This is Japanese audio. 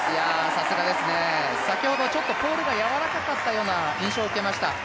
さすがですね、先ほどちょっとポールがやわらかかったような印象を受けました。